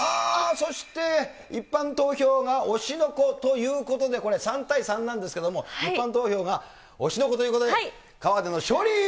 そして、一般投票が推しの子ということで、これ、３対３なんですけども、一般投票が推しの子ということで、河出の勝利！